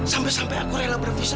sampai sampai aku rela bervisa